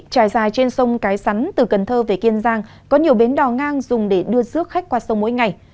trải dài trên sông cái sắn từ cần thơ về kiên giang có nhiều bến đò ngang dùng để đưa rước khách qua sông mỗi ngày